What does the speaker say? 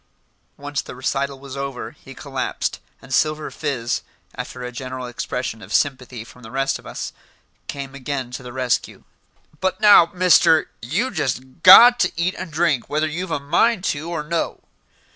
Once the recital was over, he collapsed, and Silver Fizz, after a general expression of sympathy from the rest of us, came again to the rescue. "But now, Mister, you jest got to eat and drink whether you've a mind to, or no."